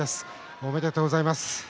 ありがとうございます。